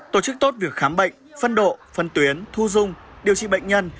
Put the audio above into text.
tổ chức tốt việc khám bệnh phân độ phân tuyến thu dung điều trị bệnh nhân